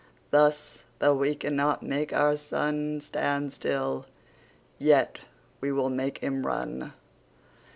Thus, though we cannot make our SunStand still, yet we will make him run.